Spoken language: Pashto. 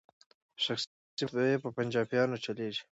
شخصي مطبعې په پنجابیانو چلیږي.